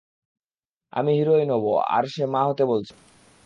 আমি হিরোইন হবো, আর সে মা হতে বলছে।